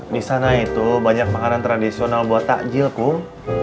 disana itu banyak makanan tradisional buat tajil kum